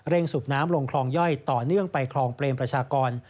สูบน้ำลงคลองย่อยต่อเนื่องไปคลองเปรมประชากร